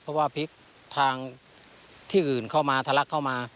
เพราะว่าพลิกทางที่อื่นเข้ามาทะลักเข้ามา